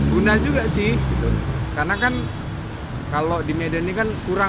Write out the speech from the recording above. guna juga sih karena kan kalau di medan ini kan kurang ya kalau kita bandingkan sama kota kota lain